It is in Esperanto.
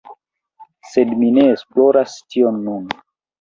Sed mi ne esploras tion nun